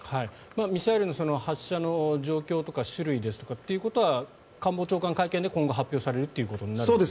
ミサイルの発射の状況とか種類ですとかということは官房長官会見で今後、発表されると。